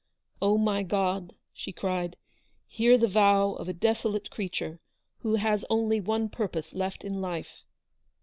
" Oh, my God ! M she cried ;" hear the vow of a desolate creature, who has only one purpose left in fife?